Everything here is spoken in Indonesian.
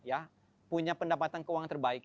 ya punya pendapatan keuangan terbaik